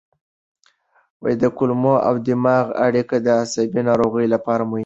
کولمو او دماغ اړیکه د عصبي ناروغیو لپاره مهمه ده.